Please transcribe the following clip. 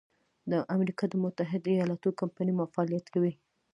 د امریکا د متحد ایلااتو کمپنۍ فعالیت کوي.